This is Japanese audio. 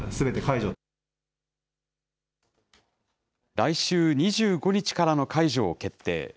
来週２５日からの解除を決定。